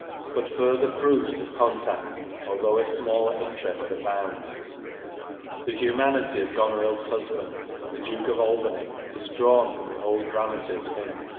But further proofs of contact, although of smaller interest, abound. The humanity INTRODUCTION xli of Goneril's husband, the Duke of Albany ,. is drawn from the old dramatist's hint.